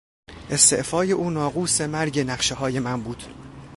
استعفای او ناقوس مرگ نقشههای من بود.